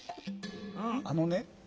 あのね